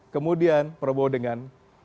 kemudian prabowo dengan